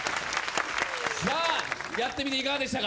さあやってみていかがでしたか？